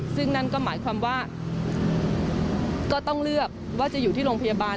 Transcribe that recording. ซึ่งนั่นก็หมายความว่าก็ต้องเลือกว่าจะอยู่ที่โรงพยาบาล